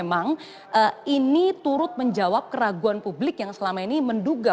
tapi pak ganjar pranowo apakah memang ini turut menjawab keraguan publik yang selama ini menduga